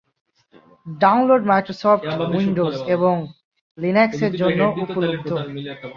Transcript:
Download Microsoft Windows এবং লিনাক্সের জন্য উপলব্ধ।